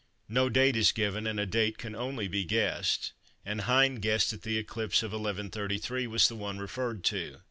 No date is given and a date can only be guessed, and Hind guessed that the eclipse of 1133 was the one referred to.